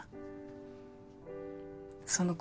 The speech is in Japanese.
その子